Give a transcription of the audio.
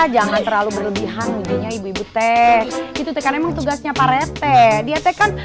jangan terlalu berlebihan ibu ibu teh itu kan emang tugasnya pak rt dia kan